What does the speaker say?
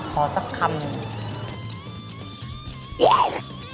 ขอสักคำ